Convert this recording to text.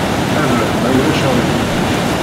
Arem, ma ulac aɣilif.